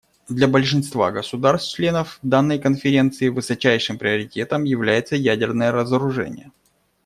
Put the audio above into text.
Для большинства государств − членов данной Конференции высочайшим приоритетом является ядерное разоружение.